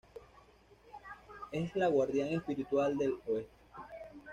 Es la Guardián Espiritual del Oeste.